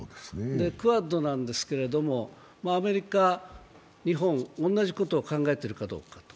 クアッドなんですけれどもアメリカ、日本、同じことを考えているかどうか。